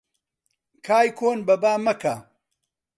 کای کۆن بەبا مەکە